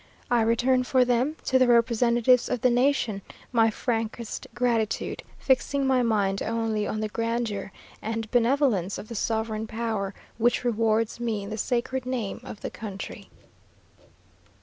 I return for them to the representatives of the nation my frankest gratitude; fixing my mind only on the grandeur and benevolence of the sovereign power which rewards me in the sacred name of the country.